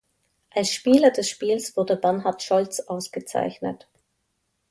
Als Spieler des Spiels wurde Bernhard Scholtz ausgezeichnet.